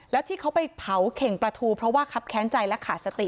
แล้วที่เขาไปเผาเข่งปลาทูเพราะว่าครับแค้นใจและขาดสติ